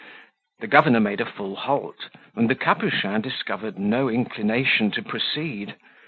The governor made a full halt, and the Capuchin discovered no inclination to proceed.